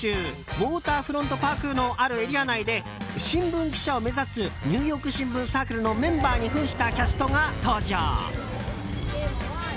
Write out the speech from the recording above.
ウォーターフロントパークのあるエリア内で、新聞記者を目指すニューヨーク新聞サークルのメンバーに扮したキャストが登場。